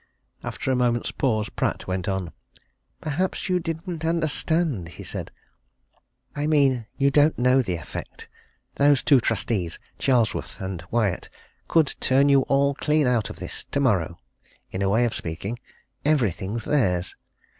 After a moment's pause Pratt went on. "Perhaps you didn't understand," he said. "I mean, you don't know the effect. Those two trustees Charlesworth & Wyatt could turn you all clean out of this tomorrow, in a way of speaking. Everything's theirs!